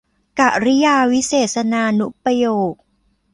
กริยาวิเศษณานุประโยค